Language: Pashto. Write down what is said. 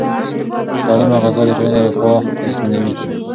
سالمه غذا د ټولنې رفاه تضمینوي.